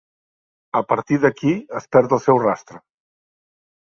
A partir d'aquí es perd el seu rastre.